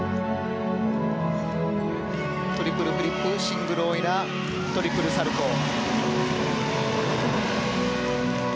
トリプルフリップシングルオイラートリプルサルコウ。